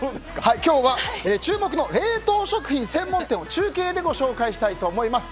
今日は注目の冷凍食品専門店を中継でご紹介したいと思います。